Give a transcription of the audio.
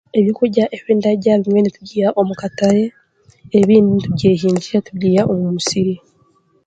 Ebyokurya ebindarya ebimwe nitubiiha omu katare ebindi nitubyehingira tubiiha omu musiri